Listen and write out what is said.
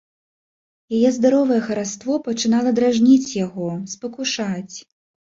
Яе здаровае хараство пачынала дражніць яго, спакушаць.